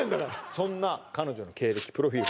そんな彼女のプロフィール